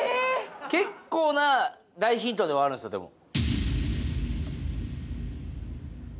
結構な大ヒントではあるんですよでも。